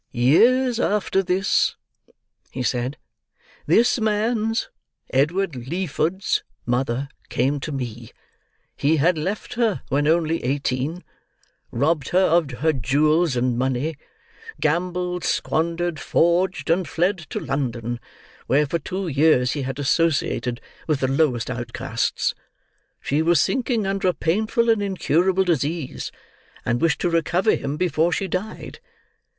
"Years after this," he said, "this man's—Edward Leeford's—mother came to me. He had left her, when only eighteen; robbed her of jewels and money; gambled, squandered, forged, and fled to London: where for two years he had associated with the lowest outcasts. She was sinking under a painful and incurable disease, and wished to recover him before she died.